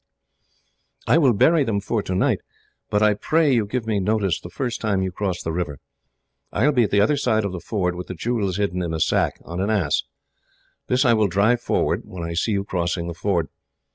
"I will bury them for tonight; but I pray you give me notice the first time you cross the river. I will be at the other side of the ford, with the jewels hidden in a sack on an ass. This I will drive forward, when I see you crossing the ford.